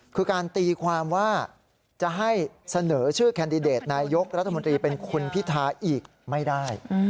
คือการตีความว่าจะให้เสนอชื่อแคนดิเดตนายกรัฐมนตรีเป็นคุณพิทาอีกไม่ได้